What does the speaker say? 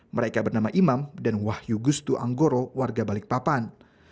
mereka bernama imam dan wahyu gusdu anggoro warga balikpapan